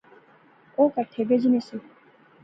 او کہٹھے بہجنے سے